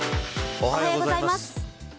おはようございます。